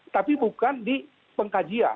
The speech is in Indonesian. tapi bukan di pengkajian